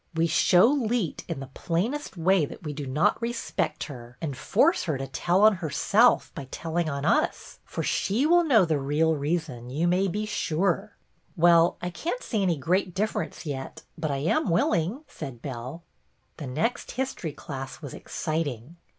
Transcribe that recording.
"We show Leet in the plainest way that we do not respect her, and force her to tell on herself by telling on us, for she will know the real reason, you may be sure." " Well, I can't see any great difference yet, but I am willing," said Belle. The next history class was exciting.